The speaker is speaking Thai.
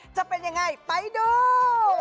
จะเป็นอย่างไรไปดู